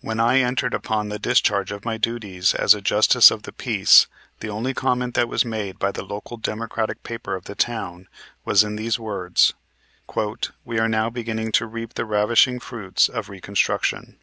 When I entered upon the discharge of my duties as a Justice of the Peace the only comment that was made by the local Democratic paper of the town was in these words: "We are now beginning to reap the ravishing fruits of Reconstruction."